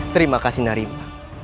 terima kasih narima